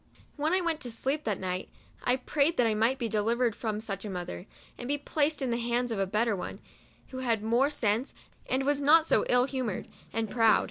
When I went to sleep that night, I prayed that I might be delivered from such a mother, and be placed in the hands of a better one, who had more sense, and who was not so ill humored and proud.